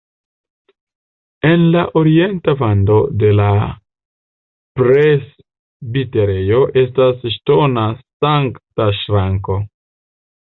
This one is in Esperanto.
En la orienta vando de la presbiterejo estas ŝtona sankta ŝranko.